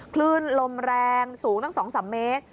คลื่นลมแรงสูงตั้ง๒๓เมตร